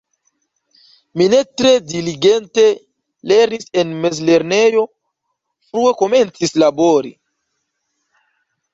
Mi ne tre diligente lernis en mezlernejo, frue komencis labori.